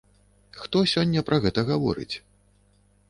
Хто сёння пра гэта гаворыць?